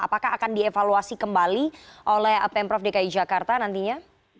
apakah akan dievaluasi kembali oleh pemprov dki jakarta nantinya